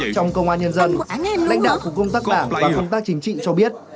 trong công an nhân dân lãnh đạo của công tác đảng và công tác chính trị cho biết